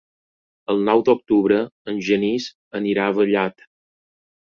El nou d'octubre en Genís anirà a Vallat.